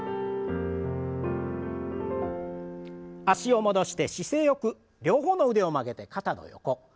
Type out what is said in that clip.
脚を戻して姿勢よく両方の腕を曲げて肩の横。